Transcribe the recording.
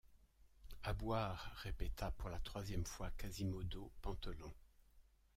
À boire! répéta pour la troisième fois Quasimodo pantelant.